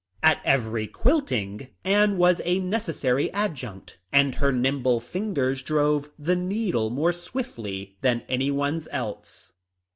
At every " quilting " Anne was a necessary adjunct, and her nimble fingers drove the needle more swiftly than anyone's else.